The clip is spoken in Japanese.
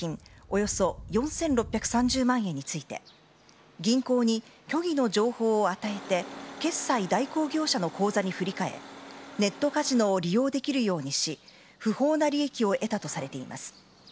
およそ４６３０万円について銀行に虚偽の情報を与えて決済代行業者の口座に振り替えネットカジノを利用できるようにし不法な利益を得たとされています。